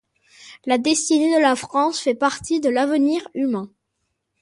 La destinée de la France fait partie de l'avenir humain.